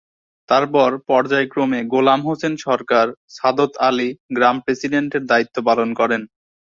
তারপর পর্যায়ক্রমে গোলাম হোসেন সরকার, সাদত আলী গ্রাম প্রেসিডেন্ট এর দায়িত্ব পালন করেন।